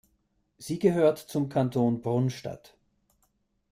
Sie gehört zum Kanton Brunstatt.